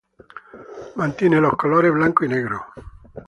Mantiene los colores blanco y negro.